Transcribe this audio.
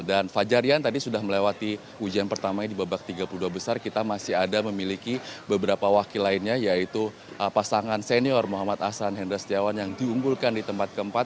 dan fajarian tadi sudah melewati ujian pertamanya di babak tiga puluh dua besar kita masih ada memiliki beberapa wakil lainnya yaitu pasangan senior muhammad asan hendra setiawan yang diunggulkan di tempat keempat